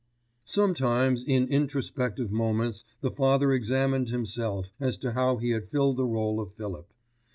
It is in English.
Sometimes in introspective moments the father examined himself as to how he had filled the role of Philip.